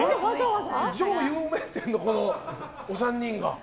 超有名店のお三人が。